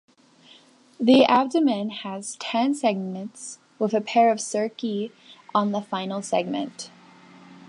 The abdomen has ten segments, with a pair of cerci on the final segment.